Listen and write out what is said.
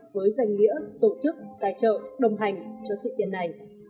với danh nghĩa tổ chức tài trợ đồng hành cho sự kiện này